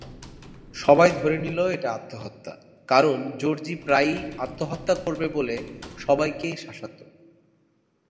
সবাই ধরে নিল এটা আত্মহত্যা, কারণ জর্জি প্রায়ই আত্মহত্যা করবে বলে সবাইকে শাসাত।